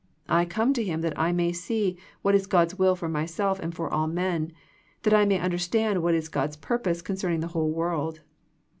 I come to Him that I may see what is God's will for myself and for all men ; that I may understand what is God's purpose concerning the whole world.